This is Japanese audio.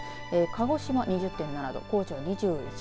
鹿児島、２０．７度高知は２１．４度。